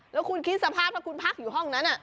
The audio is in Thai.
แล้วคุณคิดสภาพถ้าคุณพักอยู่ห้องนั้น